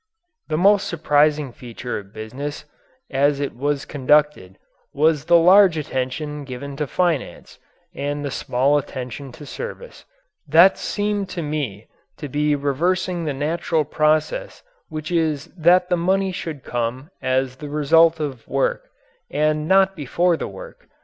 The most surprising feature of business as it was conducted was the large attention given to finance and the small attention to service. That seemed to me to be reversing the natural process which is that the money should come as the result of work and not before the work.